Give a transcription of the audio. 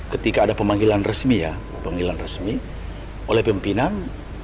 ketika ada pemanggilan resmi ya pemanggilan resmi oleh pimpinan